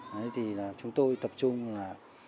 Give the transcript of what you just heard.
thế thì là chúng tôi tập trung là